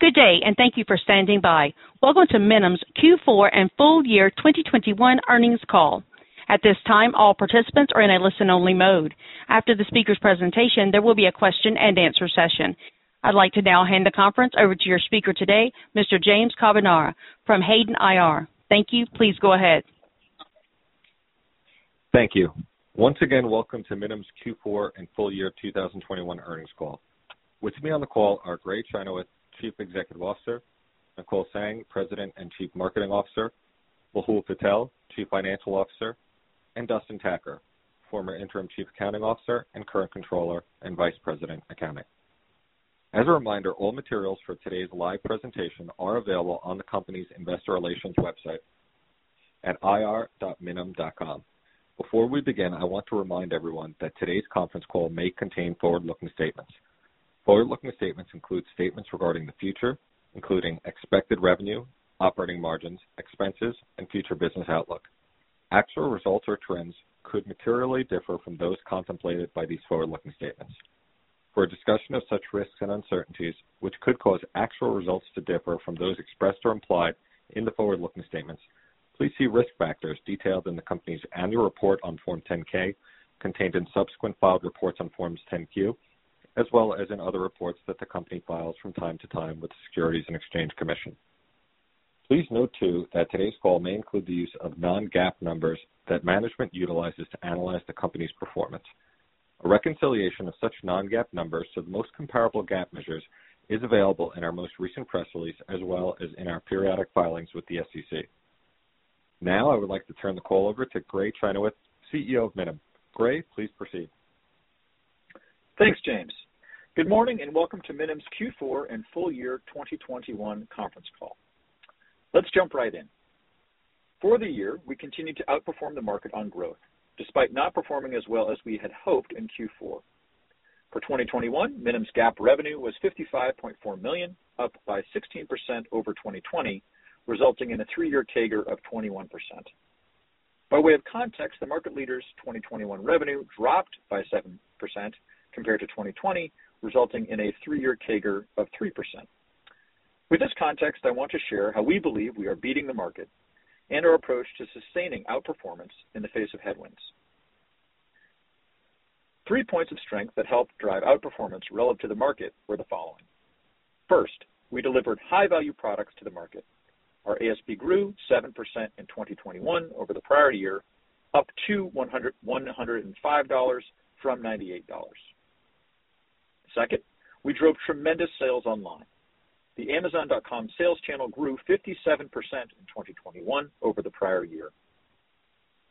Good day, thank you for standing by. Welcome to Minim's Q4 and full year 2021 earnings call. At this time, all participants are in a listen-only mode. After the speaker's presentation, there will be a question-and-answer session. I'd like to now hand the conference over to your speaker today, Mr. James Carbonara from Hayden IR. Thank you. Please go ahead. Thank you. Once again, welcome to Minim's Q4 and full year 2021 earnings call. With me on the call are Gray Chynoweth, Chief Executive Officer, Nicole Zheng, President and Chief Marketing Officer, Mehul Patel, Chief Financial Officer, and Dustin Tacker, former interim chief accounting officer and current controller and vice president accounting. As a reminder, all materials for today's live presentation are available on the company's investor relations website at ir.minim.com. Before we begin, I want to remind everyone that today's conference call may contain forward-looking statements. Forward-looking statements include statements regarding the future, including expected revenue, operating margins, expenses, and future business outlook. Actual results or trends could materially differ from those contemplated by these forward-looking statements. For a discussion of such risks and uncertainties, which could cause actual results to differ from those expressed or implied in the forward-looking statements, please see risk factors detailed in the company's annual report on Form 10-K, contained in subsequent filed reports on Forms 10-Q, as well as in other reports that the company files from time to time with the Securities and Exchange Commission. Please note, too, that today's call may include the use of non-GAAP numbers that management utilizes to analyze the company's performance. A reconciliation of such non-GAAP numbers to the most comparable GAAP measures is available in our most recent press release, as well as in our periodic filings with the SEC. Now, I would like to turn the call over to Gray Chynoweth, CEO of Minim. Gray, please proceed. Thanks, James. Good morning and welcome to Minim's Q4 and full year 2021 conference call. Let's jump right in. For the year, we continued to outperform the market on growth, despite not performing as well as we had hoped in Q4. For 2021, Minim's GAAP revenue was $55.4 million, up 16% over 2020, resulting in a three-year CAGR of 21%. By way of context, the market leader's 2021 revenue dropped 7% compared to 2020, resulting in a three-year CAGR of 3%. With this context, I want to share how we believe we are beating the market and our approach to sustaining outperformance in the face of headwinds. Three points of strength that helped drive outperformance relative to the market were the following. First, we delivered high-value products to the market. Our ASP grew 7% in 2021 over the prior year, up to $105 from $98. Second, we drove tremendous sales online. The amazon.com sales channel grew 57% in 2021 over the prior year.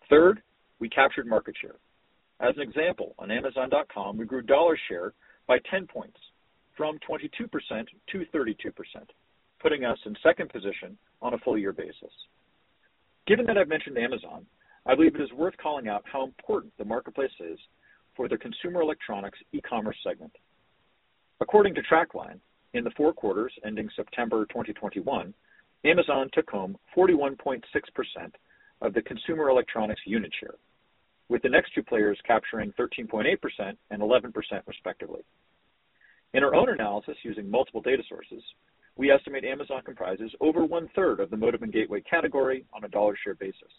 Third, we captured market share. As an example, on amazon.com, we grew dollar share by 10 points from 22% to 32%, putting us in second position on a full year basis. Given that I've mentioned Amazon, I believe it is worth calling out how important the marketplace is for the consumer electronics e-commerce segment. According to TraQline, in the four quarters ending September 2021, Amazon took home 41.6% of the consumer electronics unit share, with the next two players capturing 13.8% and 11% respectively. In our own analysis using multiple data sources, we estimate Amazon comprises over one-third of the modem and gateway category on a dollar share basis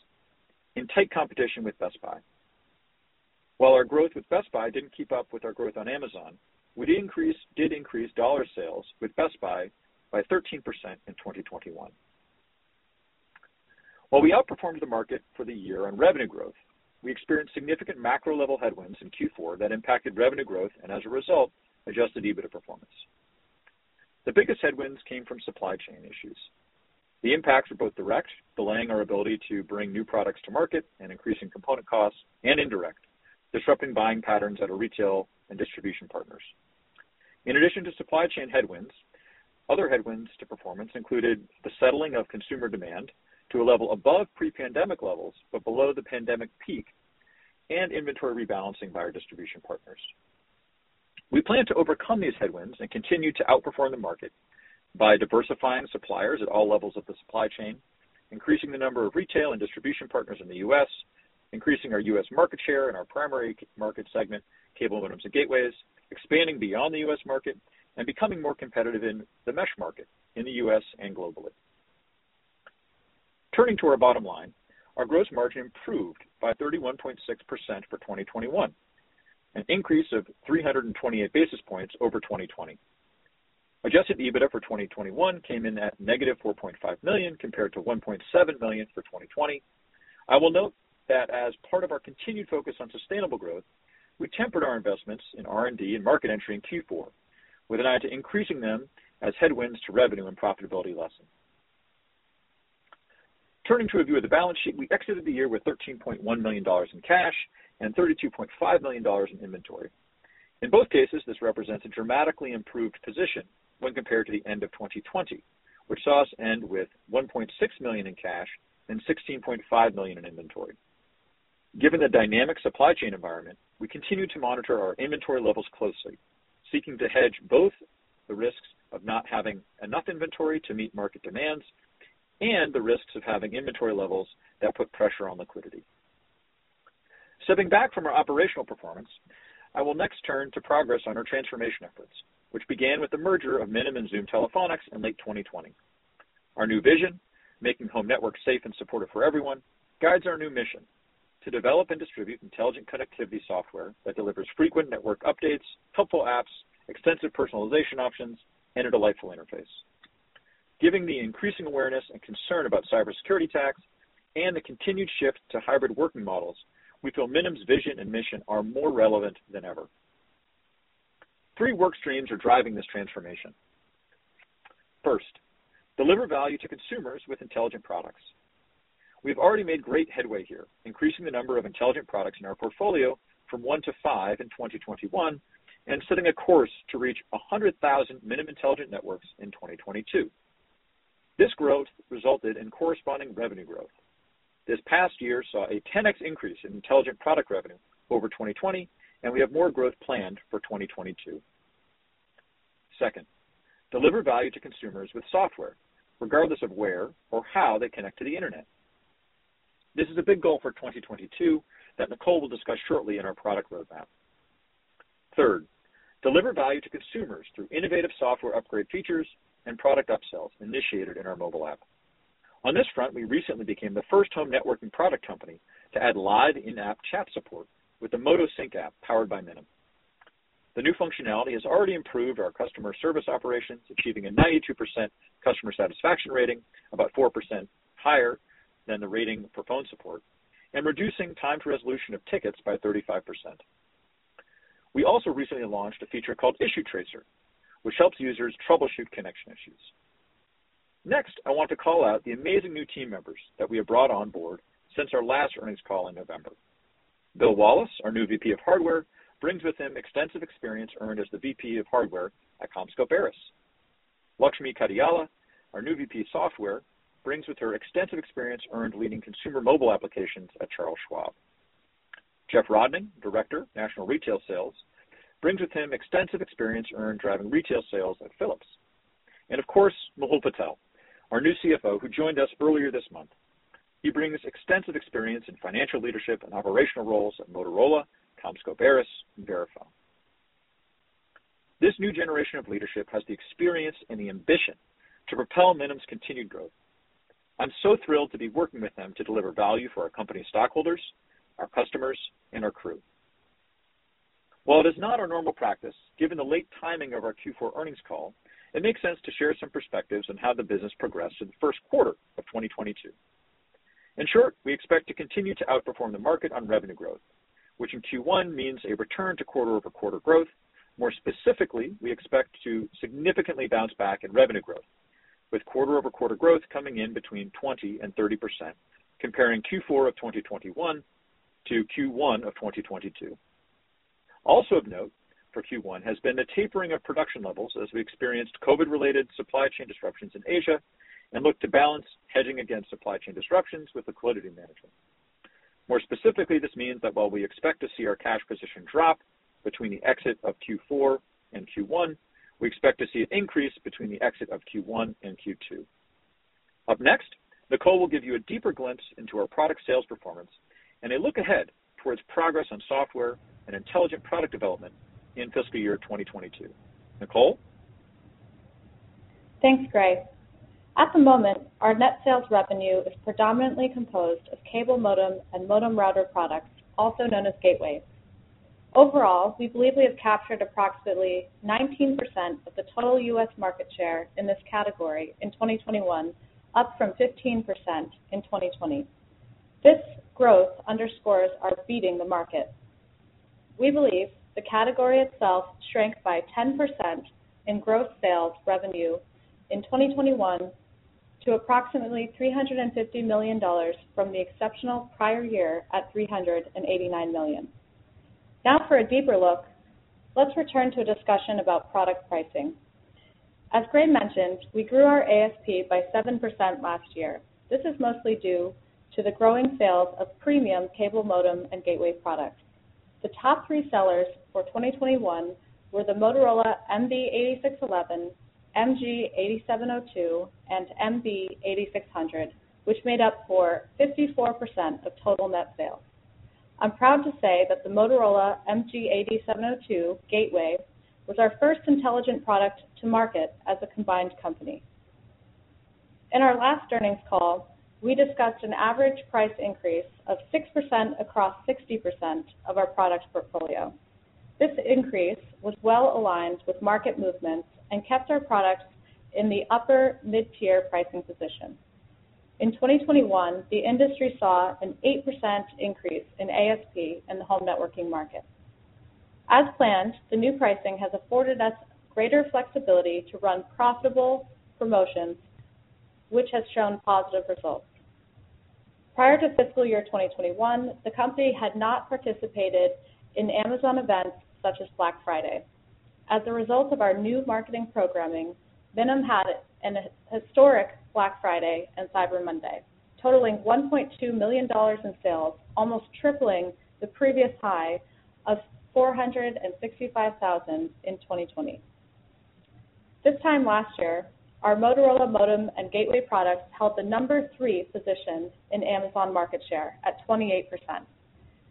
in tight competition with Best Buy. While our growth with Best Buy didn't keep up with our growth on Amazon, we did increase dollar sales with Best Buy by 13% in 2021. While we outperformed the market for the year on revenue growth, we experienced significant macro level headwinds in Q4 that impacted revenue growth and as a result, adjusted EBITDA performance. The biggest headwinds came from supply chain issues. The impacts were both direct, delaying our ability to bring new products to market and increasing component costs and indirect, disrupting buying patterns at our retail and distribution partners. In addition to supply chain headwinds, other headwinds to performance included the settling of consumer demand to a level above pre-pandemic levels, but below the pandemic peak and inventory rebalancing by our distribution partners. We plan to overcome these headwinds and continue to outperform the market by diversifying suppliers at all levels of the supply chain, increasing the number of retail and distribution partners in the U.S., increasing our U.S. market share in our primary market segment, cable modems and gateways, expanding beyond the U.S. market and becoming more competitive in the mesh market in the U.S. and globally. Turning to our bottom line, our gross margin improved by 31.6% for 2021, an increase of 328 basis points over 2020. Adjusted EBITDA for 2021 came in at -$4.5 million compared to $1.7 million for 2020. I will note that as part of our continued focus on sustainable growth, we tempered our investments in R&D and market entry in Q4 with an eye to increasing them as headwinds to revenue and profitability lessen. Turning to a view of the balance sheet, we exited the year with $13.1 million in cash and $32.5 million in inventory. In both cases, this represents a dramatically improved position when compared to the end of 2020, which saw us end with $1.6 million in cash and $16.5 million in inventory. Given the dynamic supply chain environment, we continue to monitor our inventory levels closely, seeking to hedge both the risks of not having enough inventory to meet market demands and the risks of having inventory levels that put pressure on liquidity. Stepping back from our operational performance, I will next turn to progress on our transformation efforts, which began with the merger of Minim and Zoom Telephonics in late 2020. Our new vision, making home networks safe and supportive for everyone, guides our new mission: to develop and distribute intelligent connectivity software that delivers frequent network updates, helpful apps, extensive personalization options, and a delightful interface. Given the increasing awareness and concern about cybersecurity attacks and the continued shift to hybrid working models, we feel Minim's vision and mission are more relevant than ever. Three work streams are driving this transformation. First, deliver value to consumers with intelligent products. We've already made great headway here, increasing the number of intelligent products in our portfolio from one to five in 2021, and setting a course to reach 100,000 Minim intelligent networks in 2022. This growth resulted in corresponding revenue growth. This past year saw a 10x increase in intelligent product revenue over 2020, and we have more growth planned for 2022. Second, deliver value to consumers with software, regardless of where or how they connect to the Internet. This is a big goal for 2022 that Nicole will discuss shortly in our product roadmap. Third, deliver value to consumers through innovative software upgrade features and product upsells initiated in our mobile app. On this front, we recently became the first home networking product company to add live in-app chat support with the MotoSync app powered by Minim. The new functionality has already improved our customer service operations, achieving a 92% customer satisfaction rating, about 4% higher than the rating for phone support, and reducing time to resolution of tickets by 35%. We also recently launched a feature called Issue Tracer, which helps users troubleshoot connection issues. Next, I want to call out the amazing new team members that we have brought on board since our last earnings call in November. Bill Wallace, our new VP of Hardware, brings with him extensive experience earned as the VP of Hardware at CommScope Veris. Lakshmi Kadiyala, our new VP of Software, brings with her extensive experience earned leading consumer mobile applications at Charles Schwab. Jeff Brosnan, Director, National Retail Sales, brings with him extensive experience earned driving retail sales at Philips. Of course, Mehul Patel, our new CFO, who joined us earlier this month. He brings extensive experience in financial leadership and operational roles at Motorola, CommScope Veris, and Verifone. This new generation of leadership has the experience and the ambition to propel Minim's continued growth. I'm so thrilled to be working with them to deliver value for our company stockholders, our customers, and our crew. While it is not our normal practice, given the late timing of our Q4 earnings call, it makes sense to share some perspectives on how the business progressed in the first quarter of 2022. In short, we expect to continue to outperform the market on revenue growth, which in Q1 means a return to quarter-over-quarter growth. More specifically, we expect to significantly bounce back in revenue growth, with quarter-over-quarter growth coming in between 20% and 30%, comparing Q4 of 2021 to Q1 of 2022. Also of note for Q1 has been the tapering of production levels as we experienced COVID-related supply chain disruptions in Asia and look to balance hedging against supply chain disruptions with the liquidity management. More specifically, this means that while we expect to see our cash position drop between the exit of Q4 and Q1, we expect to see an increase between the exit of Q1 and Q2. Up next, Nicole will give you a deeper glimpse into our product sales performance and a look ahead towards progress on software and intelligent product development in fiscal year 2022. Nicole? Thanks, Gray. At the moment, our net sales revenue is predominantly composed of cable modem and modem router products, also known as gateways. Overall, we believe we have captured approximately 19% of the total U.S. market share in this category in 2021, up from 15% in 2020. This growth underscores our beating the market. We believe the category itself shrank by 10% in gross sales revenue in 2021 to approximately $350 million from the exceptional prior year at $389 million. Now for a deeper look, let's return to a discussion about product pricing. As Gray mentioned, we grew our ASP by 7% last year. This is mostly due to the growing sales of premium cable modem and gateway products. The top three sellers for 2021 were the Motorola MB8611, MG8702, and MB8600, which made up 54% of total net sales. I'm proud to say that the Motorola MG8702 gateway was our first intelligent product to market as a combined company. In our last earnings call, we discussed an average price increase of 6% across 60% of our product portfolio. This increase was well aligned with market movements and kept our products in the upper mid-tier pricing position. In 2021, the industry saw an 8% increase in ASP in the home networking market. As planned, the new pricing has afforded us greater flexibility to run profitable promotions, which has shown positive results. Prior to fiscal year 2021, the company had not participated in Amazon events such as Black Friday. As a result of our new marketing programming, Minim had an historic Black Friday and Cyber Monday, totaling $1.2 million in sales, almost tripling the previous high of $465,000 in 2020. This time last year, our Motorola modem and gateway products held the number three position in Amazon market share at 28%.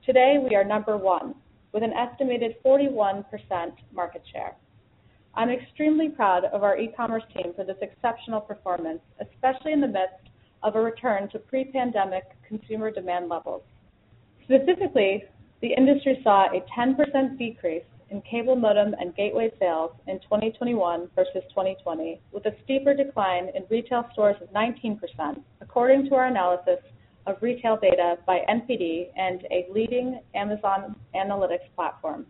Today, we are number one with an estimated 41% market share. I'm extremely proud of our e-commerce team for this exceptional performance, especially in the midst of a return to pre-pandemic consumer demand levels. Specifically, the industry saw a 10% decrease in cable modem and gateway sales in 2021 versus 2020, with a steeper decline in retail stores of 19%, according to our analysis of retail data by NPD and a leading Amazon analytics platform.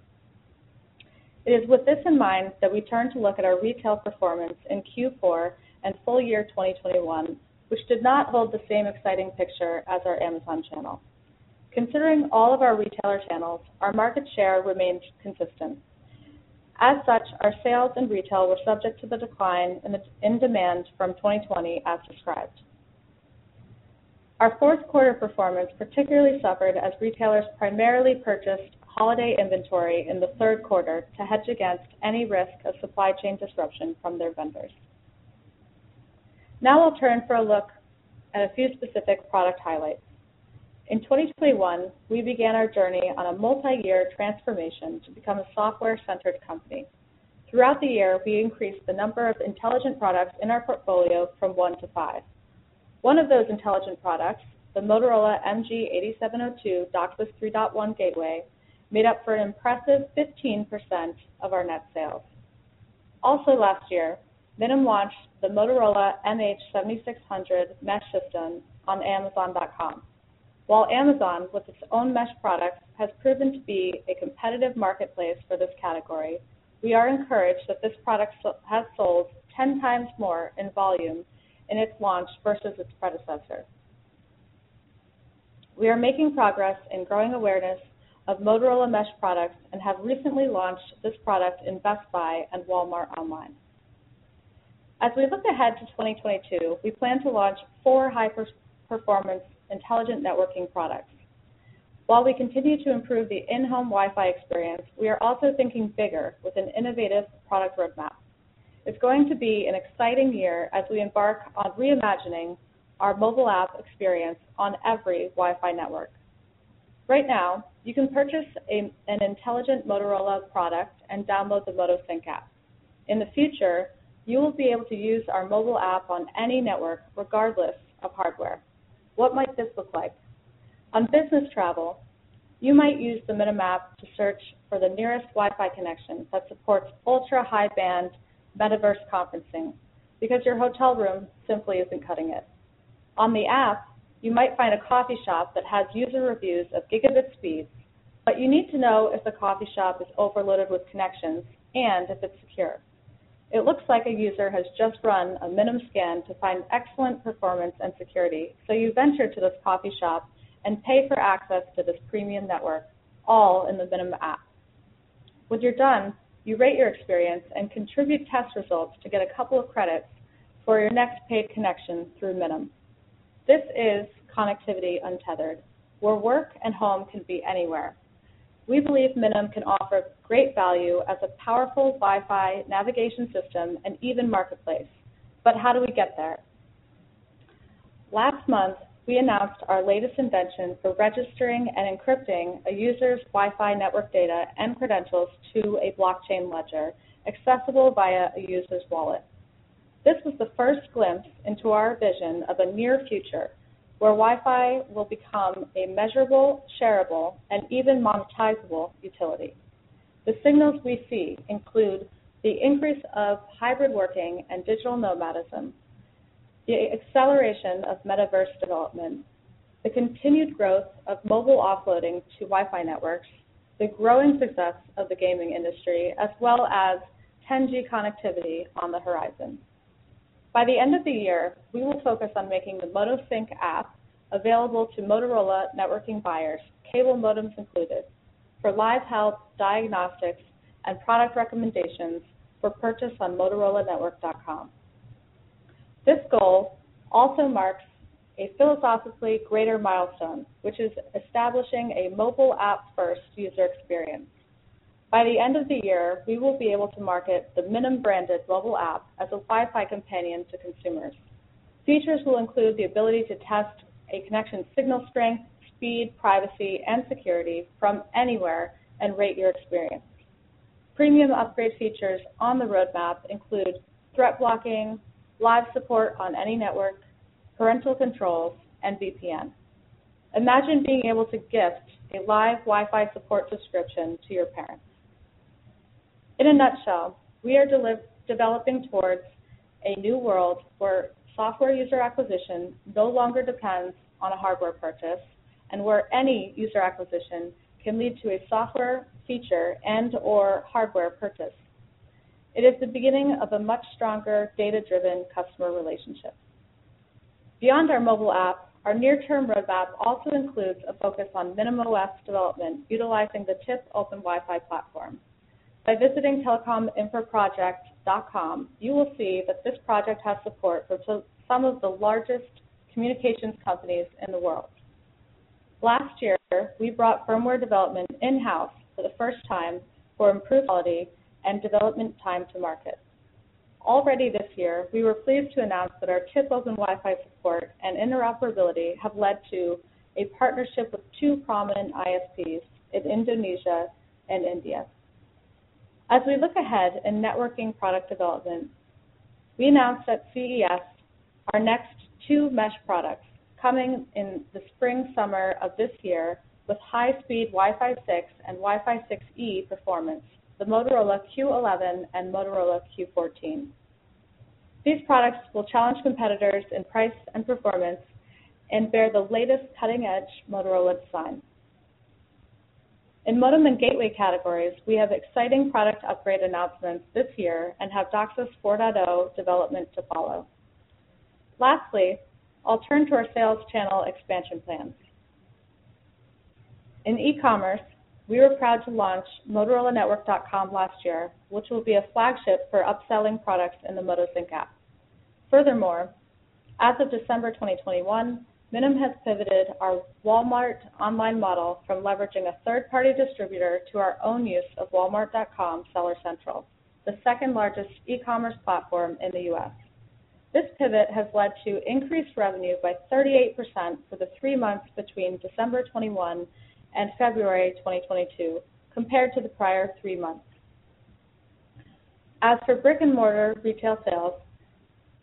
It is with this in mind that we turn to look at our retail performance in Q4 and full year 2021, which did not hold the same exciting picture as our Amazon channel. Considering all of our retailer channels, our market share remained consistent. As such, our sales in retail were subject to the decline in demand from 2020 as described. Our fourth quarter performance particularly suffered as retailers primarily purchased holiday inventory in the third quarter to hedge against any risk of supply chain disruption from their vendors. Now I'll turn to a look at a few specific product highlights. In 2021, we began our journey on a multi-year transformation to become a software-centered company. Throughout the year, we increased the number of intelligent products in our portfolio from one to five. One of those intelligent products, the Motorola MG8702 DOCSIS 3.1 Gateway, made up for an impressive 15% of our net sales. Also last year, Minim launched the Motorola MH7600 mesh system on amazon.com. While Amazon, with its own mesh product, has proven to be a competitive marketplace for this category, we are encouraged that this product has sold 10 times more in volume in its launch versus its predecessor. We are making progress in growing awareness of Motorola mesh products and have recently launched this product in Best Buy and Walmart online. As we look ahead to 2022, we plan to launch 4 high-performance intelligent networking products. While we continue to improve the in-home Wi-Fi experience, we are also thinking bigger with an innovative product roadmap. It's going to be an exciting year as we embark on reimagining our mobile app experience on every Wi-Fi network. Right now, you can purchase an intelligent Motorola product and download the motosync app. In the future, you will be able to use our mobile app on any network, regardless of hardware. What might this look like? On business travel, you might use the Minim app to search for the nearest Wi-Fi connection that supports ultra-high band metaverse conferencing because your hotel room simply isn't cutting it. On the app, you might find a coffee shop that has user reviews of gigabit speed, but you need to know if the coffee shop is overloaded with connections and if it's secure. It looks like a user has just run a Minim scan to find excellent performance and security, so you venture to this coffee shop and pay for access to this premium network, all in the Minim app. When you're done, you rate your experience and contribute test results to get a couple of credits for your next paid connection through Minim. This is connectivity untethered, where work and home can be anywhere. We believe Minim can offer great value as a powerful Wi-Fi navigation system and even marketplace. But how do we get there? Last month, we announced our latest invention for registering and encrypting a user's Wi-Fi network data and credentials to a blockchain ledger accessible via a user's wallet. This was the first glimpse into our vision of a near future where Wi-Fi will become a measurable, shareable, and even monetizable utility. The signals we see include the increase of hybrid working and digital nomadism, the acceleration of metaverse development, the continued growth of mobile offloading to Wi-Fi networks, the growing success of the gaming industry, as well as 10G connectivity on the horizon. By the end of the year, we will focus on making the motosync app available to Motorola networking buyers, cable modems included, for live health, diagnostics, and product recommendations for purchase on motorolanetwork.com. This goal also marks a philosophically greater milestone, which is establishing a mobile app-first user experience. By the end of the year, we will be able to market the Minim branded mobile app as a Wi-Fi companion to consumers. Features will include the ability to test a connection signal strength, speed, privacy, and security from anywhere and rate your experience. Premium upgrade features on the roadmap include threat blocking, live support on any network, parental controls, and VPN. Imagine being able to gift a live Wi-Fi support subscription to your parents. In a nutshell, we are developing towards a new world where software user acquisition no longer depends on a hardware purchase and where any user acquisition can lead to a software feature and/or hardware purchase. It is the beginning of a much stronger data-driven customer relationship. Beyond our mobile app, our near-term roadmap also includes a focus on Minim OS development utilizing the TIP Open Wi-Fi platform. By visiting telecominfraproject.com, you will see that this project has support for some of the largest communications companies in the world. Last year, we brought firmware development in-house for the first time for improved quality and development time to market. Already this year, we were pleased to announce that our TISL and Wi-Fi support and interoperability have led to a partnership with two prominent ISPs in Indonesia and India. As we look ahead in networking product development, we announced at CES our next two mesh products coming in the spring, summer of this year with high speed Wi-Fi 6 and Wi-Fi 6E performance, the Motorola Q11 and Motorola Q14. These products will challenge competitors in price and performance and bear the latest cutting-edge MotoSync. In modem and gateway categories, we have exciting product upgrade announcements this year and have DOCSIS 4.0 development to follow. Lastly, I'll turn to our sales channel expansion plans. In e-commerce, we were proud to launch motorolanetwork.com last year, which will be a flagship for upselling products in the MotoSync app. Furthermore, as of December 2021, Minim has pivoted our Walmart online model from leveraging a third-party distributor to our own use of walmart.com Seller Center, the second-largest e-commerce platform in the U.S. This pivot has led to increased revenue by 38% for the three months between December 2021 and February 2022 compared to the prior three months. As for brick-and-mortar retail sales,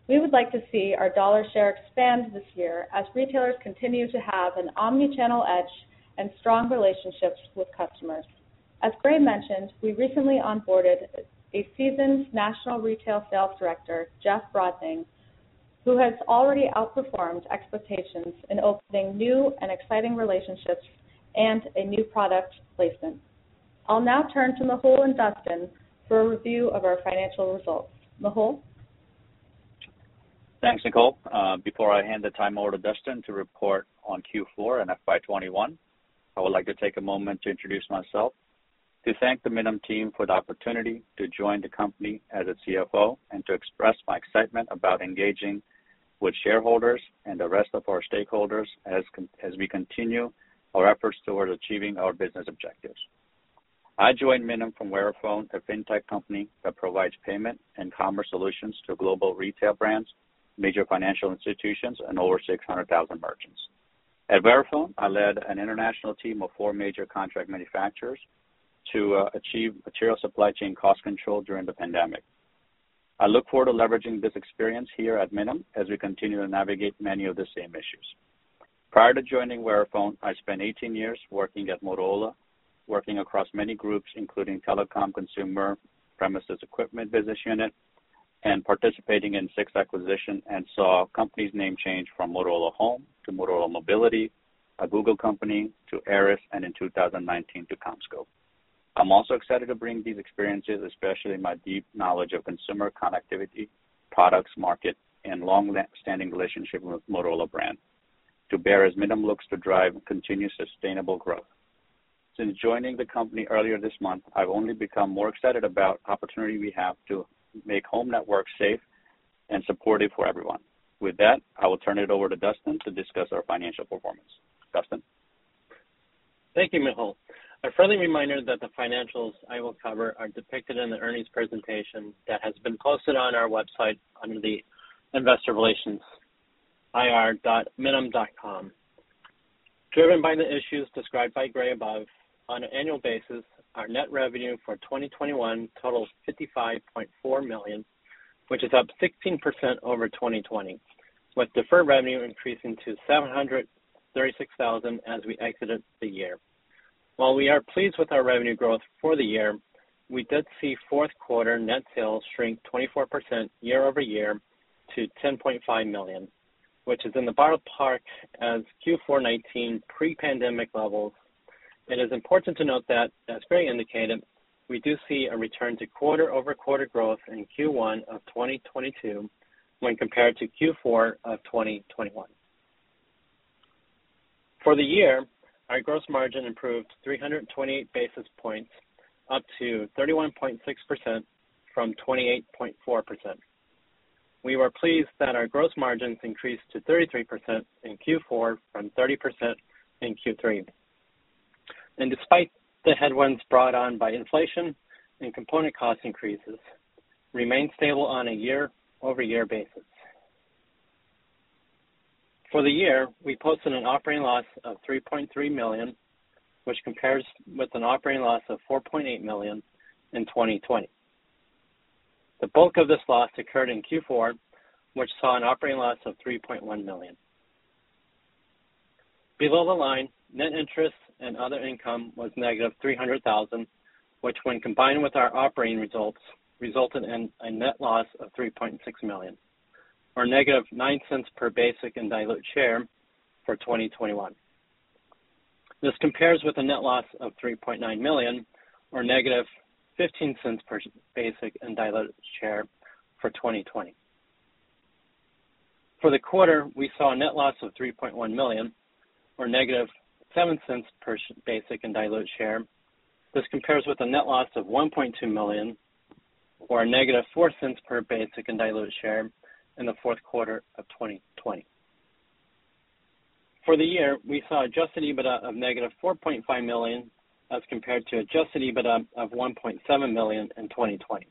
we would like to see our dollar share expand this year as retailers continue to have an omni-channel edge and strong relationships with customers. As Gray mentioned, we recently onboarded a seasoned national retail sales director, Jeff Brosnan, who has already outperformed expectations in opening new and exciting relationships and a new product placement. I'll now turn to Mehul and Dustin for a review of our financial results. Mehul. Thanks, Nicole. Before I hand the time over to Dustin to report on Q4 and FY 2021, I would like to take a moment to introduce myself, to thank the Minim team for the opportunity to join the company as its CFO, and to express my excitement about engaging with shareholders and the rest of our stakeholders as we continue our efforts towards achieving our business objectives. I joined Minim from Verifone, a fintech company that provides payment and commerce solutions to global retail brands, major financial institutions, and over 600,000 merchants. At Verifone, I led an international team of four major contract manufacturers to achieve material supply chain cost control during the pandemic. I look forward to leveraging this experience here at Minim as we continue to navigate many of the same issues. Prior to joining Verifone, I spent 18 years working at Motorola, working across many groups, including telecom, consumer, premises equipment business unit, and participating in six acquisitions and saw company's name change from Motorola Home to Motorola Mobility, a Google company, to ARRIS, and in 2019 to CommScope. I'm also excited to bring these experiences, especially my deep knowledge of consumer connectivity products market and long-standing relationship with Motorola brand, to bear as Minim looks to drive continuous sustainable growth. Since joining the company earlier this month, I've only become more excited about opportunity we have to make home networks safe and supportive for everyone. With that, I will turn it over to Dustin to discuss our financial performance. Dustin. Thank you, Mehul. A friendly reminder that the financials I will cover are depicted in the earnings presentation that has been posted on our website under the investor relations ir.minim.com. Driven by the issues described by Gray above, on an annual basis, our net revenue for 2021 totals $55.4 million, which is up 16% over 2020, with deferred revenue increasing to $736,000 as we exited the year. While we are pleased with our revenue growth for the year, we did see fourth quarter net sales shrink 24% year-over-year to $10.5 million, which is in the ballpark as Q4 2019 pre-pandemic levels. It is important to note that as Gray indicated, we do see a return to quarter-over-quarter growth in Q1 of 2022 when compared to Q4 of 2021. For the year, our gross margin improved 328 basis points, up to 31.6% from 28.4%. We were pleased that our gross margins increased to 33% in Q4 from 30% in Q3. Despite the headwinds brought on by inflation and component cost increases, remained stable on a year-over-year basis. For the year, we posted an operating loss of $3.3 million, which compares with an operating loss of $4.8 million in 2020. The bulk of this loss occurred in Q4, which saw an operating loss of $3.1 million. Below the line, net interest and other income was negative $300,000, which when combined with our operating results, resulted in a net loss of $3.6 million or -$0.09 per basic and diluted share for 2021. This compares with a net loss of $3.9 million or -$0.15 per basic and diluted share for 2020. For the quarter, we saw a net loss of $3.1 million or -$0.07 per basic and diluted share. This compares with a net loss of $1.2 million or -$0.04 per basic and diluted share in the fourth quarter of 2020. For the year, we saw adjusted EBITDA of -$4.5 million as compared to adjusted EBITDA of $1.7 million in 2020.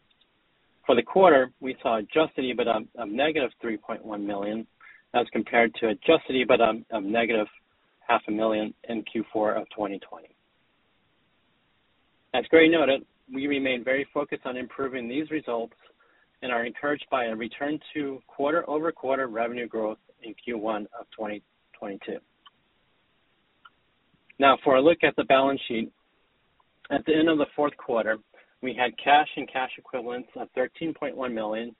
For the quarter, we saw adjusted EBITDA of -$3.1 million as compared to adjusted EBITDA of negative half a million in Q4 of 2020. As Gray noted, we remain very focused on improving these results and are encouraged by a return to quarter-over-quarter revenue growth in Q1 of 2022. Now for a look at the balance sheet. At the end of the fourth quarter, we had cash and cash equivalents of $13.1 million,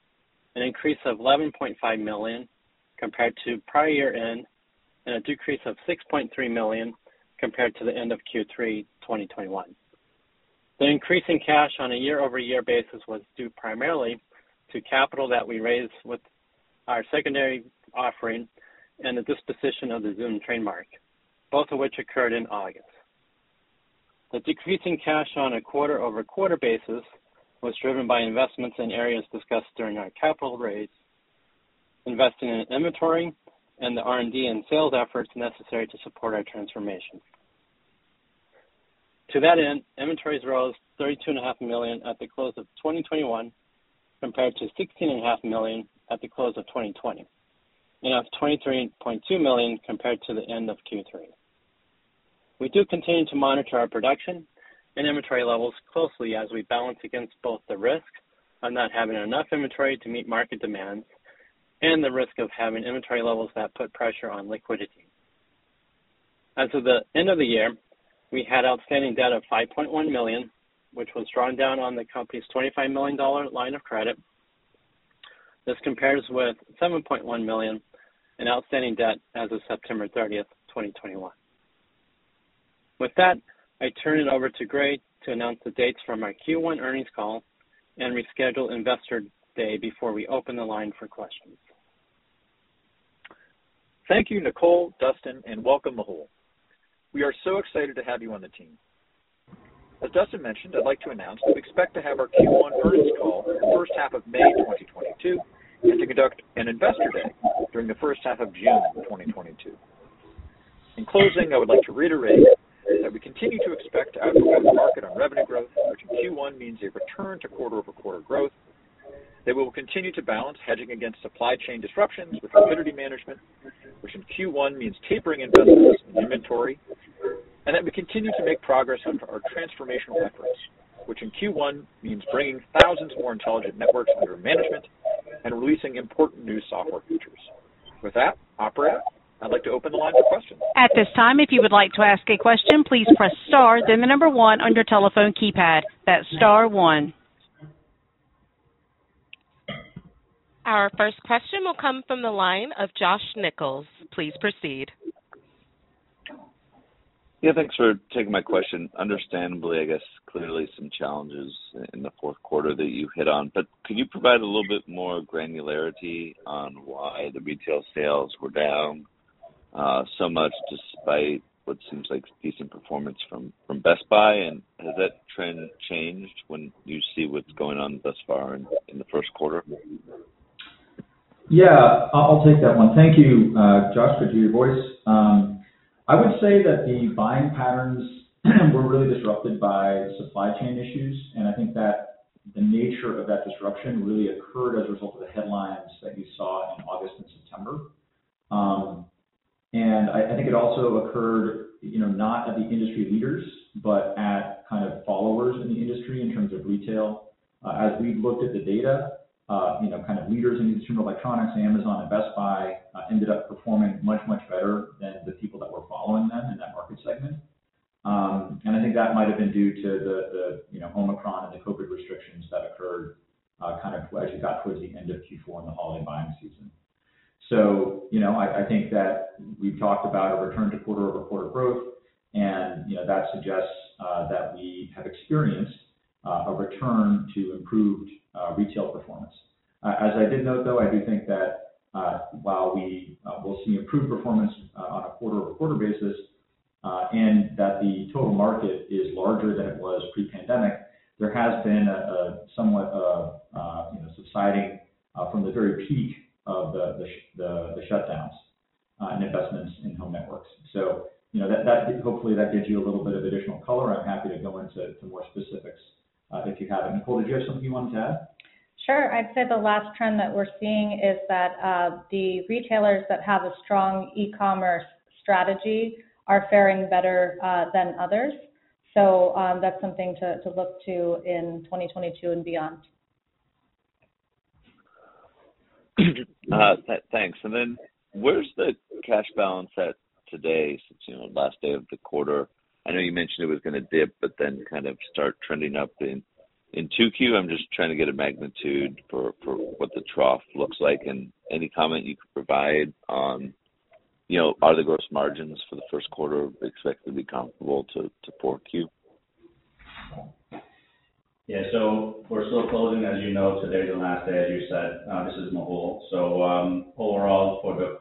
an increase of $11.5 million compared to prior year-end, and a decrease of $6.3 million compared to the end of Q3 2021. The increase in cash on a year-over-year basis was due primarily to capital that we raised with our secondary offering and the disposition of the Zoom trademark, both of which occurred in August. The decrease in cash on a quarter-over-quarter basis was driven by investments in areas discussed during our capital raise, investing in inventory and the R&D and sales efforts necessary to support our transformation. To that end, inventories rose $32.5 million at the close of 2021, compared to $16.5 million at the close of 2020, and of $23.2 million compared to the end of Q3. We do continue to monitor our production and inventory levels closely as we balance against both the risk of not having enough inventory to meet market demands and the risk of having inventory levels that put pressure on liquidity. As of the end of the year, we had outstanding debt of $5.1 million, which was drawn down on the company's $25 million line of credit. This compares with $7.1 million in outstanding debt as of September 30th, 2021. With that, I turn it over to Gray to announce the dates for our Q1 earnings call and reschedule Investor Day before we open the line for questions. Thank you, Nicole, Dustin, and welcome, Mehul. We are so excited to have you on the team. As Dustin mentioned, I'd like to announce that we expect to have our Q1 earnings call in the first half of May 2022 and to conduct an Investor Day during the first half of June 2022. In closing, I would like to reiterate that we continue to expect to outpace the market on revenue growth, which in Q1 means a return to quarter-over-quarter growth, that we will continue to balance hedging against supply chain disruptions with liquidity management, which in Q1 means tapering investments in inventory, and that we continue to make progress on our transformational efforts, which in Q1 means bringing thousands more intelligent networks under management and releasing important new software features. With that, operator, I'd like to open the line for questions. At this time, if you would like to ask a question, please press star then the number one on your telephone keypad. That's star one. Our first question will come from the line of Josh Nichols. Please proceed. Yeah, thanks for taking my question. Understandably, I guess, clearly some challenges in the fourth quarter that you hit on. Can you provide a little bit more granularity on why the retail sales were down so much despite what seems like decent performance from Best Buy? Has that trend changed when you see what's going on thus far in the first quarter? Yeah, I'll take that one. Thank you, Josh, for your voice. I would say that the buying patterns were really disrupted by supply chain issues, and I think that the nature of that disruption really occurred as a result of the headlines that you saw in August and September. I think it also occurred, you know, not at the industry leaders, but at kind of followers in the industry in terms of retail. As we've looked at the data, you know, kind of leaders in consumer electronics, Amazon and Best Buy, ended up performing much, much better than the people that were following them in that market segment. I think that might have been due to the, you know, Omicron and the COVID restrictions that occurred kind of as you got towards the end of Q4 and the holiday buying season. You know, I think that we've talked about a return to quarter-over-quarter growth and, you know, that suggests that we have experienced a return to improved retail performance. As I did note, though, I do think that while we will see improved performance on a quarter-over-quarter basis and that the total market is larger than it was pre-pandemic, there has been a somewhat, you know, subsiding from the very peak of the shutdowns and investments in home networks. You know, that hopefully gives you a little bit of additional color. I'm happy to go into more specifics if you have any. Nicole, did you have something you wanted to add? Sure. I'd say the last trend that we're seeing is that the retailers that have a strong e-commerce strategy are faring better than others. That's something to look to in 2022 and beyond. Thanks. Then where's the cash balance at today since, you know, last day of the quarter? I know you mentioned it was gonna dip but then kind of start trending up in 2Q. I'm just trying to get a magnitude for what the trough looks like and any comment you could provide on, you know, are the gross margins for the first quarter expected to be comparable to 4Q? Yeah. We're still closing, as you know. Today's the last day, as you said. This is Mehul. Overall for the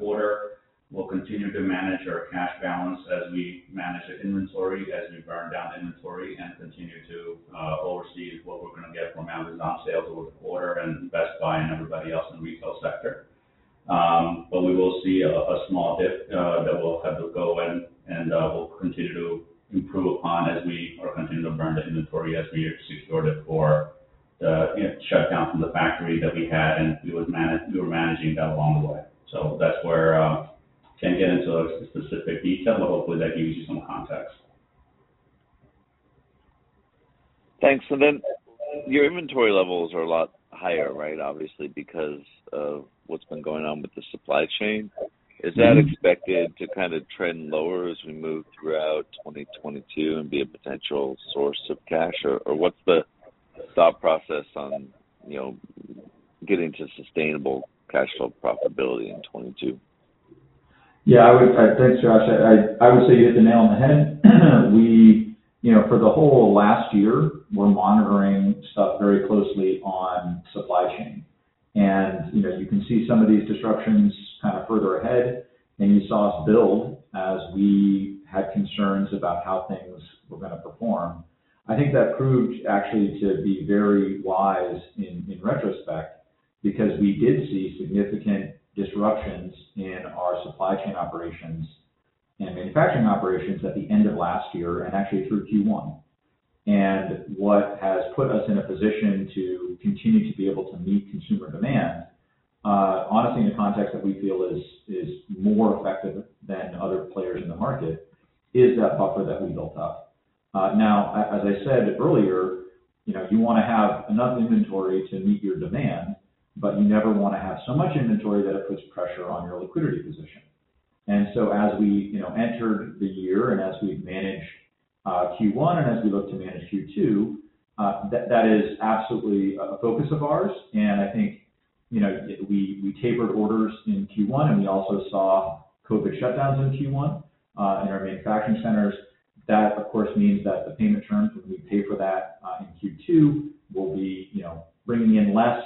quarter, we'll continue to manage our cash balance as we manage the inventory, as we burn down inventory and continue to oversee what we're gonna get from Amazon sales over the quarter and Best Buy and everybody else in the retail sector. But we will see a small dip that we'll have to go and we'll continue to improve upon as we are continuing to burn the inventory as we sort it for the, you know, shutdown from the factory that we had, and we were managing that along the way. That's where we can't get into specific detail, but hopefully that gives you some context. Thanks. Your inventory levels are a lot higher, right? Obviously, because of what's been going on with the supply chain. Mm-hmm. Is that expected to kind of trend lower as we move throughout 2022 and be a potential source of cash? Or, what's the thought process on, you know, getting to sustainable cash flow profitability in 2022? Yeah, I would, thanks, Josh. I would say you hit the nail on the head. We, you know, for the whole last year, we're monitoring stuff very closely on supply chain. You know, you can see some of these disruptions kind of further ahead, and you saw us build as we had concerns about how things were gonna perform. I think that proved actually to be very wise in retrospect, because we did see significant disruptions in our supply chain operations and manufacturing operations at the end of last year and actually through Q1. What has put us in a position to continue to be able to meet consumer demand, honestly in the context that we feel is more effective than other players in the market, is that buffer that we built up. Now, as I said earlier, you know, you wanna have enough inventory to meet your demand, but you never wanna have so much inventory that it puts pressure on your liquidity position. As we, you know, entered the year and as we manage Q1 and as we look to manage Q2, that is absolutely a focus of ours. I think, you know, we tapered orders in Q1, and we also saw COVID shutdowns in Q1 in our manufacturing centers. That, of course, means that the payment terms, if we pay for that in Q2, we'll be, you know, bringing in less,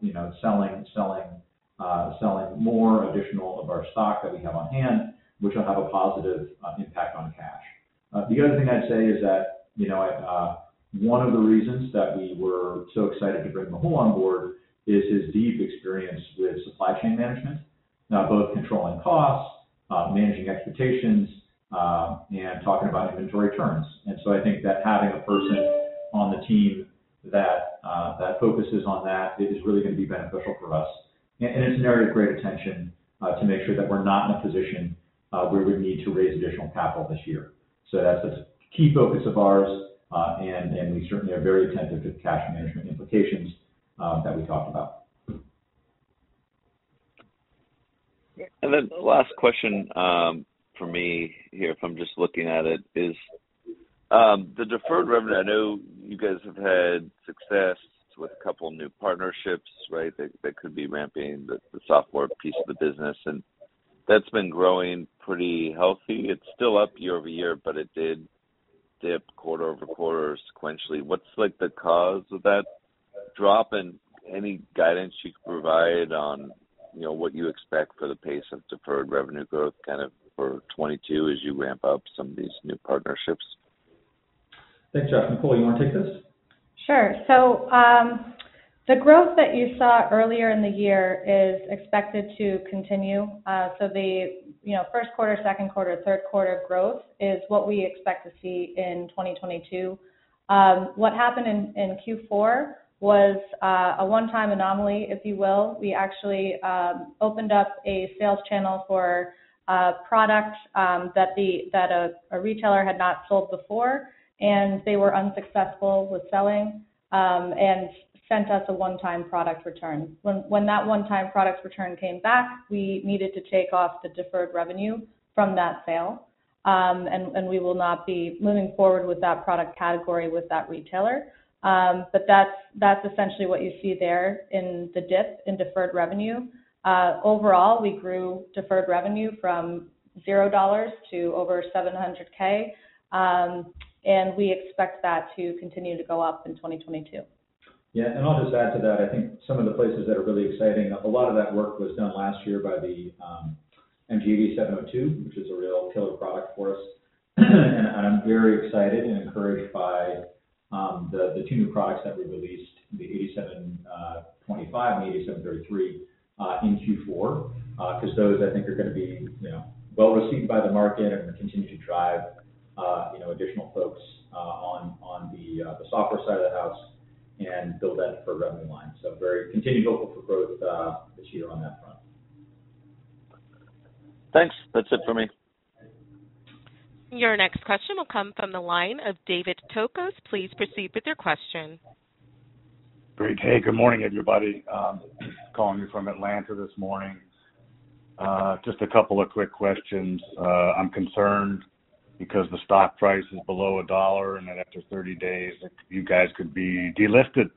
you know, selling more additional of our stock that we have on hand, which will have a positive impact on cash. The other thing I'd say is that, you know, one of the reasons that we were so excited to bring Mehul on board is his deep experience with supply chain management, both controlling costs, managing expectations, and talking about inventory turns. I think that having a person on the team that focuses on that is really gonna be beneficial for us. It's an area of great attention to make sure that we're not in a position where we need to raise additional capital this year. That's a key focus of ours, and we certainly are very attentive to the cash management implications that we talked about. Then last question from me here, if I'm just looking at it, is the deferred revenue. I know you guys have had success with a couple new partnerships, right? That could be ramping the software piece of the business, and that's been growing pretty healthy. It's still up year-over-year, but it did dip quarter-over-quarter sequentially. What's, like, the cause of that drop and any guidance you could provide on, you know, what you expect for the pace of deferred revenue growth kind of for 2022 as you ramp up some of these new partnerships? Thanks, Josh. Nicole, you wanna take this? Sure. The growth that you saw earlier in the year is expected to continue. You know, first quarter, second quarter, third quarter growth is what we expect to see in 2022. What happened in Q4 was a one-time anomaly, if you will. We actually opened up a sales channel for a product that a retailer had not sold before, and they were unsuccessful with selling and sent us a one-time product return. When that one-time product return came back, we needed to take off the deferred revenue from that sale. We will not be moving forward with that product category with that retailer. That's essentially what you see there in the dip in deferred revenue. Overall, we grew deferred revenue from $0 to over $700K. We expect that to continue to go up in 2022. Yeah. I'll just add to that. I think some of the places that are really exciting, a lot of that work was done last year by the MG8702, which is a real killer product for us. I'm very excited and encouraged by the two new products that we released, the MG8725 and the MT8733 in Q4. 'Cause those I think are gonna be, you know, well received by the market and continue to drive, you know, additional folks on the software side of the house and build that deferred revenue line. Very continued hopeful for growth this year on that front. Thanks. That's it for me. Your next question will come from the line of David Tokos. Please proceed with your question. Great. Hey, good morning, everybody. Calling you from Atlanta this morning. Just a couple of quick questions. I'm concerned because the stock price is below $1, and then after 30 days, you guys could be delisted.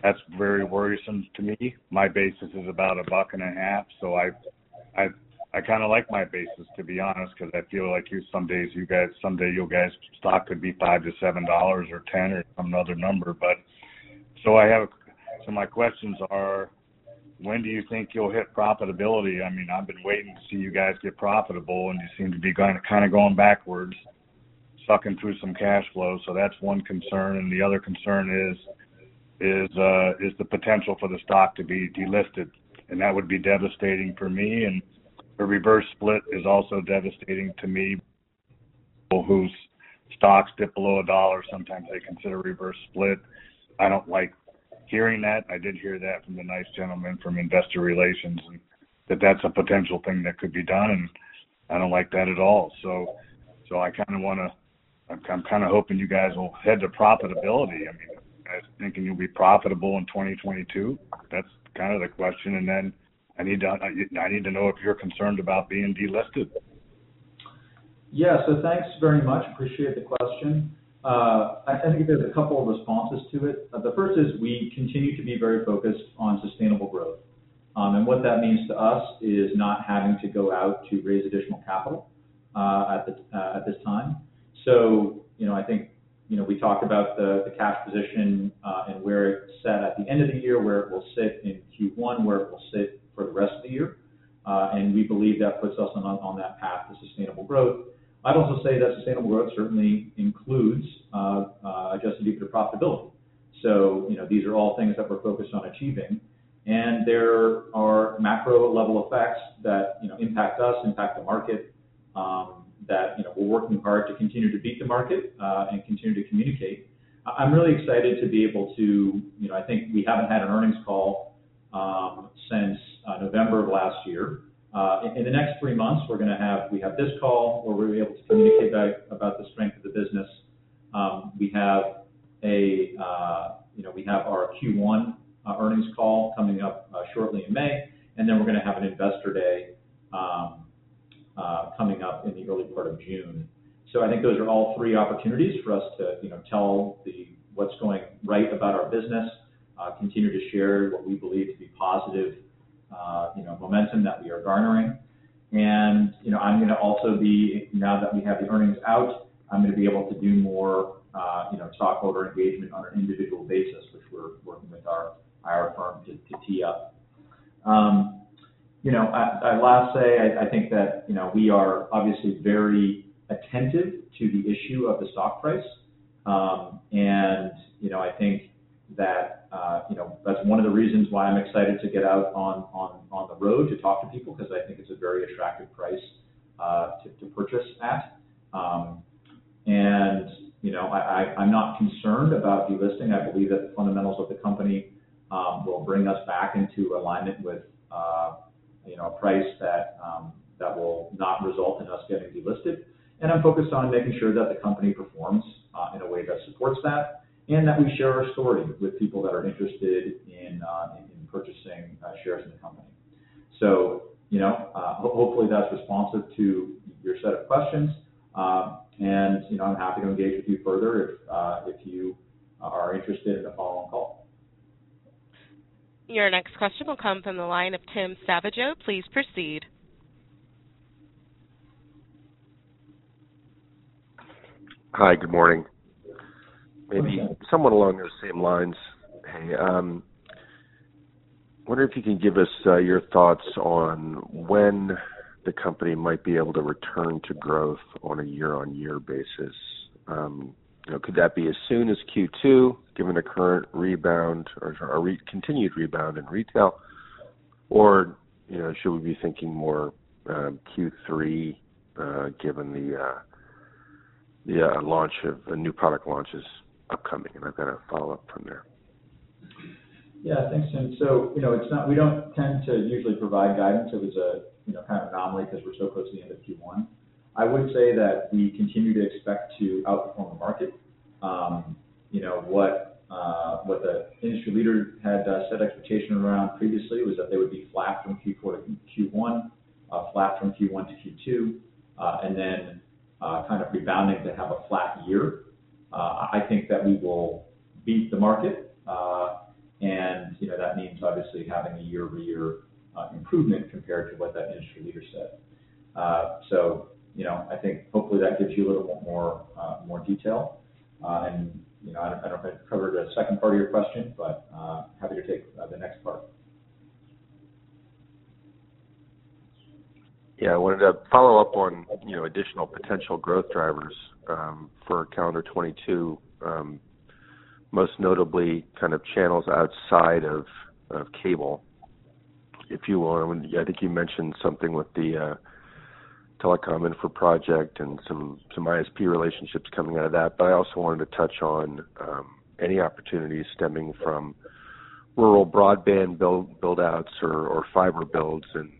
That's very worrisome to me. My basis is about $1.50, so I kind of like my basis, to be honest, because I feel like someday you guys' stock could be $5-$7 or $10 or some other number. My questions are, when do you think you'll hit profitability? I mean, I've been waiting to see you guys get profitable, and you seem to be kind of going backwards, sucking through some cash flow. That's one concern. The other concern is the potential for the stock to be delisted, and that would be devastating for me. A reverse split is also devastating to me. People whose stocks dip below $1, sometimes they consider reverse split. I don't like hearing that. I did hear that from the nice gentleman from investor relations, and that's a potential thing that could be done, and I don't like that at all. I'm kind of hoping you guys will head to profitability. I mean, are you guys thinking you'll be profitable in 2022? That's kind of the question. I need to know if you're concerned about being delisted. Yeah. Thanks very much. Appreciate the question. I think there's a couple of responses to it. The first is we continue to be very focused on sustainable growth. What that means to us is not having to go out to raise additional capital at this time. You know, I think you know we talked about the cash position and where it sat at the end of the year, where it will sit in Q1, where it will sit for the rest of the year. We believe that puts us on that path to sustainable growth. I'd also say that sustainable growth certainly includes adjusted EBITDA profitability. You know, these are all things that we're focused on achieving. There are macro level effects that, you know, impact us, impact the market, that, you know, we're working hard to continue to beat the market, and continue to communicate. I'm really excited to be able to. You know, I think we haven't had an earnings call since November of last year. In the next three months we have this call where we'll be able to communicate about the strength of the business. We have our Q1 earnings call coming up shortly in May, and then we're gonna have an investor day coming up in the early part of June. I think those are all three opportunities for us to, you know, tell what's going right about our business, continue to share what we believe to be positive, you know, momentum that we are garnering. You know, now that we have the earnings out, I'm gonna be able to do more, you know, stockholder engagement on an individual basis, which we're working with our IR firm to tee up. You know, I'd last say I think that, you know, we are obviously very attentive to the issue of the stock price. You know, I think that, you know, that's one of the reasons why I'm excited to get out on the road to talk to people, 'cause I think it's a very attractive price to purchase at. You know, I'm not concerned about delisting. I believe that the fundamentals of the company will bring us back into alignment with you know, a price that will not result in us getting delisted. I'm focused on making sure that the company performs in a way that supports that and that we share our story with people that are interested in purchasing shares in the company. You know, hopefully that's responsive to your set of questions. You know, I'm happy to engage with you further if you are interested in a follow-on call. Your next question will come from the line of Tim Savageaux. Please proceed. Hi. Good morning. Good morning. Maybe somewhat along those same lines, hey, wondering if you can give us your thoughts on when the company might be able to return to growth on a year-on-year basis. You know, could that be as soon as Q2, given the current rebound or continued rebound in retail? Or, you know, should we be thinking more Q3, given the launch of the new product launches upcoming? I've got a follow-up from there. Yeah. Thanks, Tim. You know, we don't tend to usually provide guidance. It was a you know kind of anomaly 'cause we're so close to the end of Q1. I would say that we continue to expect to outperform the market. You know, what the industry leader had set expectation around previously was that they would be flat from Q4 to Q1, flat from Q1 to Q2, and then kind of rebounding to have a flat year. I think that we will beat the market. You know, that means obviously having a year-over-year improvement compared to what that industry leader said. You know, I think hopefully that gives you a little bit more detail. You know, I don't know if I covered the second part of your question, but happy to take the next part. Yeah. I wanted to follow up on, you know, additional potential growth drivers, for calendar 2022, most notably kind of channels outside of cable, if you will. I think you mentioned something with the Telecom Infra Project and some ISP relationships coming out of that. I also wanted to touch on any opportunities stemming from rural broadband build-outs or fiber builds and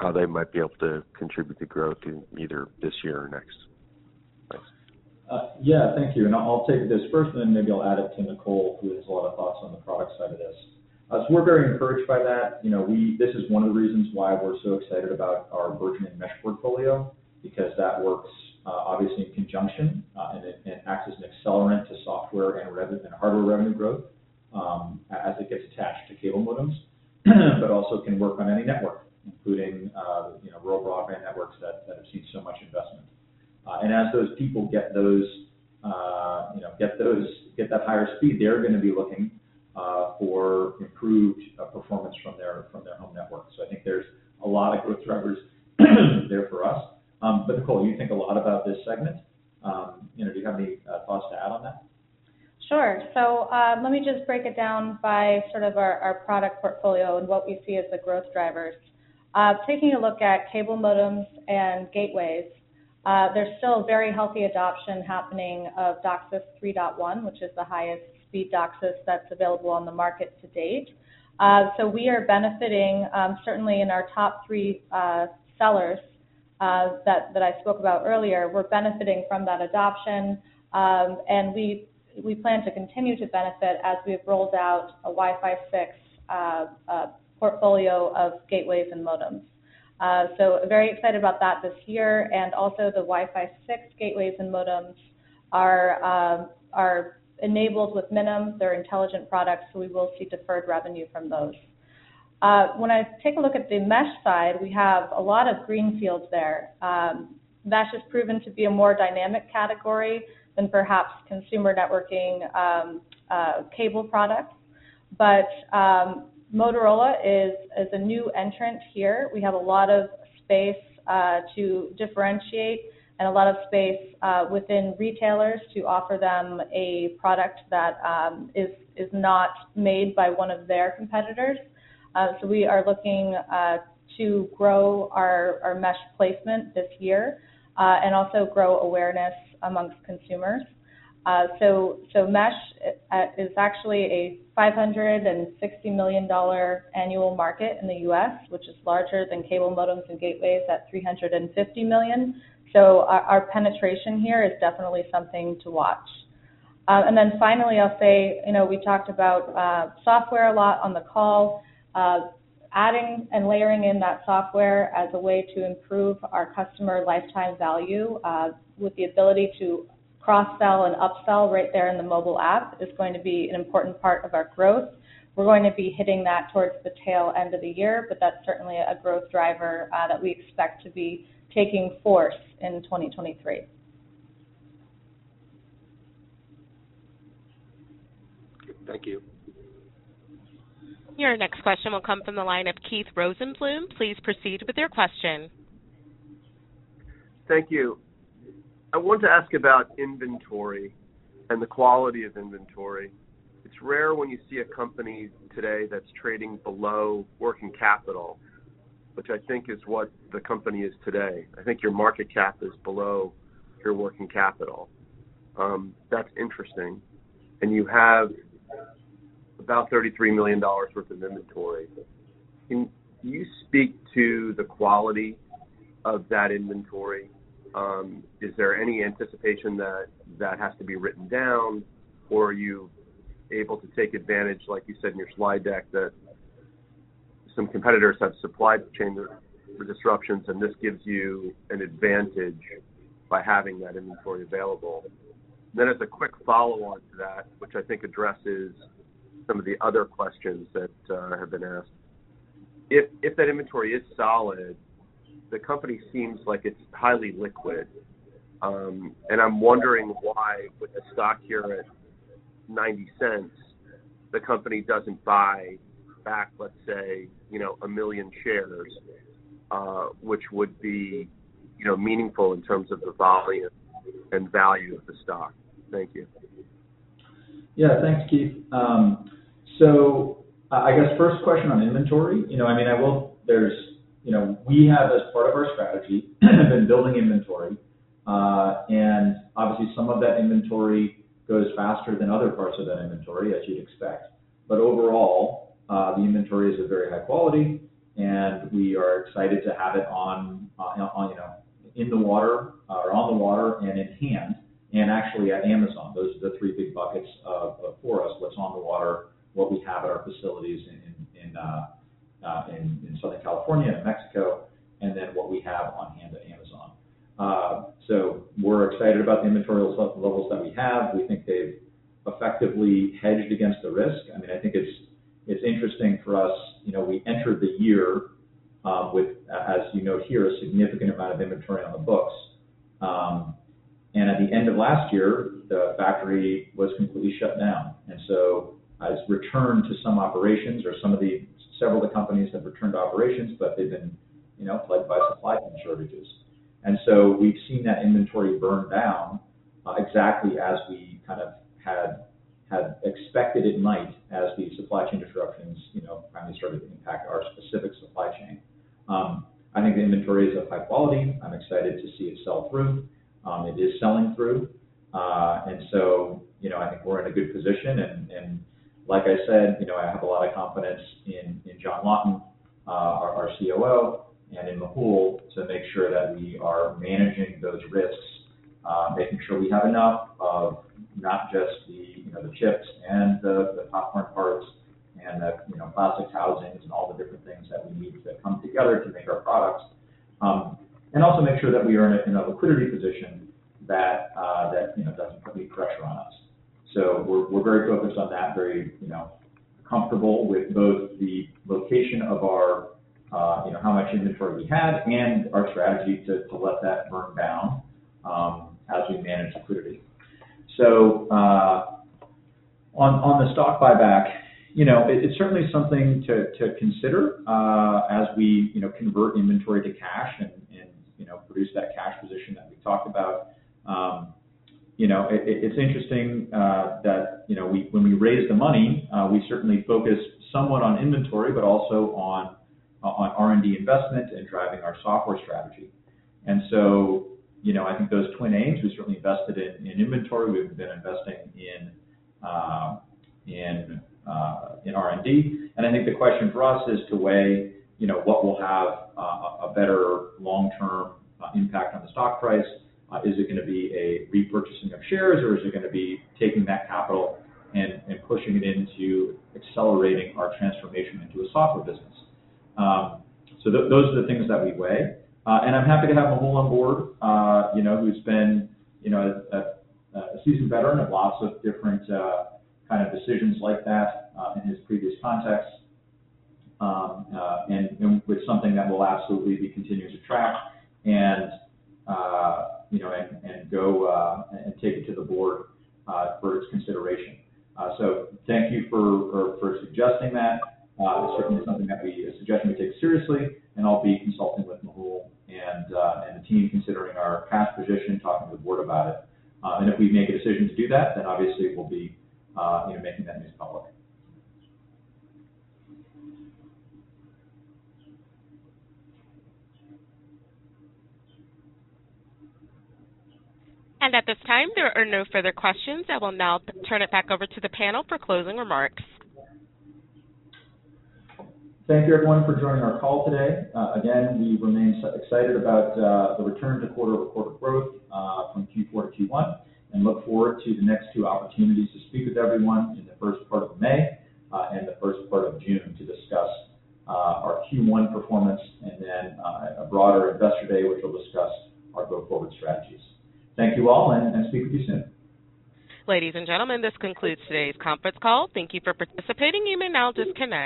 how they might be able to contribute to growth in either this year or next. Thanks. Yeah. Thank you. I'll take this first then maybe I'll add it to Nicole, who has a lot of thoughts on the product side of this. We're very encouraged by that. You know, this is one of the reasons why we're so excited about our Virgin Media mesh portfolio because that works obviously in conjunction, and it acts as an accelerant to software and hardware revenue growth. As it gets attached to cable modems, but also can work on any network, including you know, rural broadband networks that have seen so much investment. As those people get that higher speed, they're gonna be looking for improved performance from their home network. I think there's a lot of growth drivers there for us. Nicole, you think a lot about this segment. You know, do you have any thoughts to add on that? Sure. Let me just break it down by sort of our product portfolio and what we see as the growth drivers. Taking a look at cable modems and gateways, there's still very healthy adoption happening of DOCSIS 3.1, which is the highest speed DOCSIS that's available on the market to date. We are benefiting certainly in our top three sellers that I spoke about earlier. We're benefiting from that adoption, and we plan to continue to benefit as we've rolled out a Wi-Fi 6 portfolio of gateways and modems. Very excited about that this year. The Wi-Fi 6 gateways and modems are enabled with Minim's. They're intelligent products, so we will see deferred revenue from those. When I take a look at the mesh side, we have a lot of greenfields there. Mesh has proven to be a more dynamic category than perhaps consumer networking, cable products. Motorola is a new entrant here. We have a lot of space to differentiate and a lot of space within retailers to offer them a product that is not made by one of their competitors. We are looking to grow our mesh placement this year, and also grow awareness amongst consumers. Mesh is actually a $560 million annual market in the U.S., which is larger than cable modems and gateways at $350 million. Our penetration here is definitely something to watch. Finally, I'll say, you know, we talked about software a lot on the call. Adding and layering in that software as a way to improve our customer lifetime value, with the ability to cross-sell and upsell right there in the mobile app is going to be an important part of our growth. We're going to be hitting that towards the tail end of the year, but that's certainly a growth driver, that we expect to be taking effect in 2023. Thank you. Your next question will come from the line of Keith Rosenbloom. Please proceed with your question. Thank you. I want to ask about inventory and the quality of inventory. It's rare when you see a company today that's trading below working capital, which I think is what the company is today. I think your market cap is below your working capital. That's interesting. You have about $33 million worth of inventory. Can you speak to the quality of that inventory? Is there any anticipation that that has to be written down, or are you able to take advantage, like you said in your slide deck, that some competitors have supply chain disruptions, and this gives you an advantage by having that inventory available? As a quick follow-on to that, which I think addresses some of the other questions that have been asked. If that inventory is solid, the company seems like it's highly liquid. I'm wondering why with the stock here at $0.90, the company doesn't buy back, let's say, you know, 1 million shares, which would be, you know, meaningful in terms of the volume and value of the stock. Thank you. Yeah. Thanks, Keith. I guess first question on inventory. You know, I mean, there's, you know, we have as part of our strategy been building inventory. Obviously some of that inventory goes faster than other parts of that inventory as you'd expect. Overall, the inventory is of very high quality, and we are excited to have it on, you know, in the water or on the water and in hand and actually at Amazon. Those are the three big buckets for us, what's on the water, what we have at our facilities in Southern California and Mexico, and then what we have on hand at Amazon. We're excited about the inventory levels that we have. We think they've effectively hedged against the risk. I mean, I think it's interesting for us. You know, we entered the year with, as you note here, a significant amount of inventory on the books. At the end of last year, the factory was completely shut down. Several of the companies have returned to operations, but they've been, you know, plagued by supply chain shortages. We've seen that inventory burn down exactly as we kind of had expected it might as the supply chain disruptions finally started to impact our specific supply chain. I think the inventory is of high quality. I'm excited to see it sell through. It is selling through. You know, I think we're in a good position and, like I said, you know, I have a lot of confidence in John Laughton, our COO, and in Mehul to make sure that we are managing those risks, making sure we have enough of not just the, you know, the chips and the top front parts and the, you know, plastics housings and all the different things that we need that come together to make our products. Also make sure that we are in a liquidity position that, you know, doesn't put any pressure on us. We're very focused on that, very, you know, comfortable with both the location of our, you know, how much inventory we have and our strategy to let that burn down, as we manage liquidity. On the stock buyback, you know, it's certainly something to consider, as we, you know, convert inventory to cash and, you know, produce that cash position that we talked about. You know, it's interesting that, you know, when we raised the money, we certainly focused somewhat on inventory, but also on R&D investment and driving our software strategy. You know, I think those twin aims, we certainly invested in inventory. We've been investing in R&D. I think the question for us is to weigh, you know, what will have a better long-term impact on the stock price. Is it gonna be a repurchasing of shares, or is it gonna be taking that capital and pushing it into accelerating our transformation into a software business? Those are the things that we weigh. I'm happy to have Mehul on board, you know, who's been, you know, a seasoned veteran of lots of different kind of decisions like that in his previous contexts. It's something that we'll absolutely be continuing to track and, you know, go and take it to the board for its consideration. Thank you for suggesting that. It's certainly a suggestion we take seriously, and I'll be consulting with Mehul and the team considering our cash position, talking to the board about it. If we make a decision to do that, then obviously we'll be making that news public. At this time, there are no further questions. I will now turn it back over to the panel for closing remarks. Thank you everyone for joining our call today. Again, we remain excited about the return to quarter-over-quarter growth from Q4 to Q1, and look forward to the next two opportunities to speak with everyone in the first part of May and the first part of June to discuss our Q1 performance and then a broader investor day, which will discuss our go-forward strategies. Thank you all, and speak with you soon. Ladies and gentlemen, this concludes today's conference call. Thank you for participating. You may now disconnect.